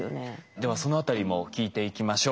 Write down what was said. ではそのあたりも聞いていきましょう。